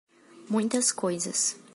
Muitas coisas